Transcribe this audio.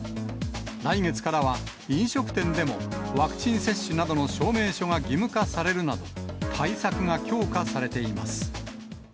来月からは飲食店でも、ワクチン接種などの証明書が義務化されるなど、対策が強化されています。